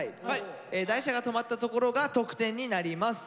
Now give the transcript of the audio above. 台車が止まったところが得点になります。